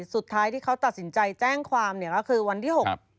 สุดท้ายที่เขาตัดสินใจแจ้งความเนี่ยก็คือวันที่๖